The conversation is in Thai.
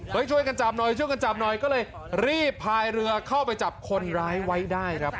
ช่วยกันจับหน่อยช่วยกันจับหน่อยก็เลยรีบพายเรือเข้าไปจับคนร้ายไว้ได้ครับ